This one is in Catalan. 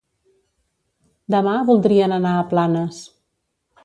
Demà voldrien anar a Planes.